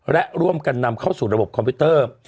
และร่วมกันนำเข้าสู่ระบบคอมพิวเตอร์